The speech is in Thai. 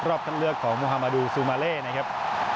รอบทั้งเลือกของมฮมาดูซูมเร่นะครับ